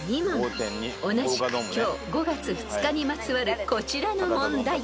［同じく今日５月２日にまつわるこちらの問題］